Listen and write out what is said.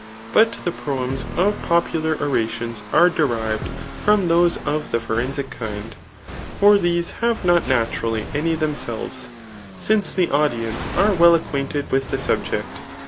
But the proems of popular ora tions are derived from those of the forensic kind ; for these have not naturally any themselves; since the audience are well acquainted with the subject.